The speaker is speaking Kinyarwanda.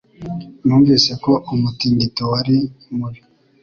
Numvise ko umutingito wari mubi.